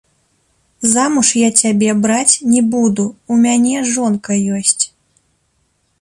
Замуж я цябе браць не буду, у мяне жонка ёсць.